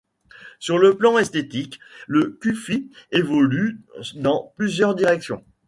Sur le plan esthétique, le kufi évolue dans plusieurs directions.